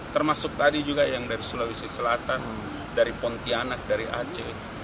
termasuk tadi juga yang dari sulawesi selatan dari pontianak dari aceh